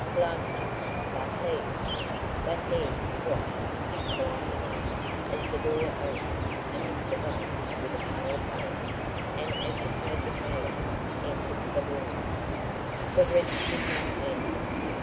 Blast you! but he " "But he, what?" inquired I, as the door opened and Mr. Blake with a pale face and agitated mien entered the room. The wretch did not answer.